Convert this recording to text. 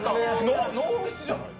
ノーミスじゃない？